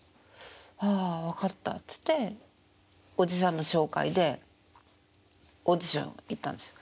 「ああ分かった」っつっておじさんの紹介でオーディション行ったんですよ。